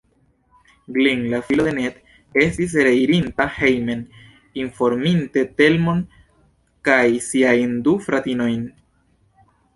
Glin, la filo de Ned, estis reirinta hejmen, informinte Telmon kaj siajn du fratinojn.